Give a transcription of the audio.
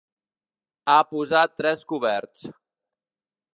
Ha posat tres coberts.